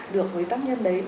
được với tác nhân đấy